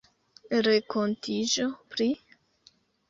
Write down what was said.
renkontiĝo pri...